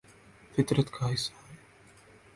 فطرت کا حصہ ہے